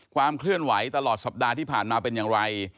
ความเคลื่อนไหวตลอดสัปดาห์ที่ผ่านมาเป็นอย่างไร